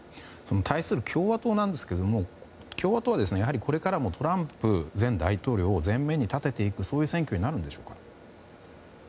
対する共和党なんですが共和党は、やはりこれからもトランプ前大統領を前面に立てていく選挙になるんでしょうか？